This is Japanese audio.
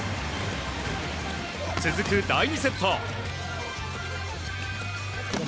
続く第２セット。